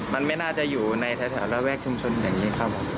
มันไม่น่าจะอยู่ในแถวระแวกชุมชนอย่างนี้ครับผม